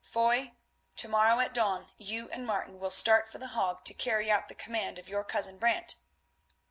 Foy, to morrow at dawn you and Martin will start for The Hague to carry out the command of your cousin Brant."